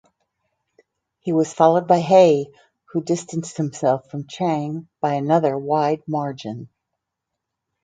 He was followed by Hei who distanced himself from Chang by another wide margin.